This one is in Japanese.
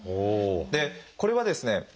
でこれはですね